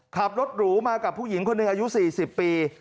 ขับรถหรูมากับผู้หญิงคนหนึ่งอายุ๔๐ปี